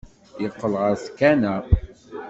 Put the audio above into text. Yeqqel ɣer tkanna.